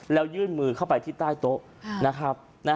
แล้วยื่นมือเข้าไปที่ใต้โต๊ะนะครับ